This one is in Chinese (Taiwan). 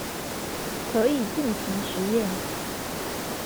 可以盡情實驗